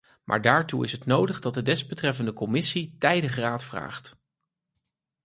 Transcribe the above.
Maar daartoe is het nodig dat de desbetreffende commissie tijdig raad vraagt.